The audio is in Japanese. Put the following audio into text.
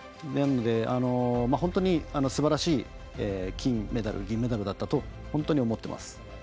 なので本当にすばらしい金メダル、銀メダルだったと本当に思っています。